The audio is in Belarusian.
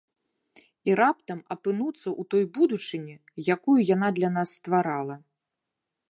І раптам апынуцца ў той будучыні, якую яна для нас стварала.